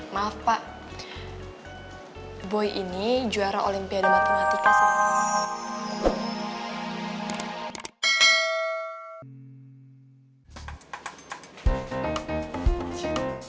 maaf pak boy ini juara olimpiade matematika sih